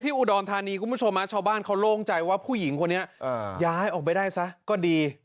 อุดรธานีคุณผู้ชมชาวบ้านเขาโล่งใจว่าผู้หญิงคนนี้ย้ายออกไปได้ซะก็ดี